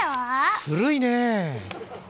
古いねぇ。